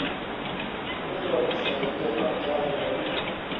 Mungu ata saidia batai leta